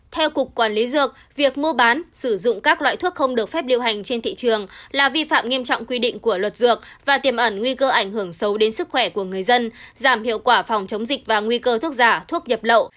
theo cục quản lý dược việc mua bán sử dụng các loại thuốc không được phép liêu hành trên thị trường là vi phạm nghiêm trọng quy định của luật dược và tiềm ẩn nguy cơ ảnh hưởng xấu đến sức khỏe của người dân giảm hiệu quả phòng chống dịch và nguy cơ thuốc giả thuốc nhập lậu